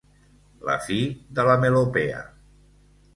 La fi de la melopea.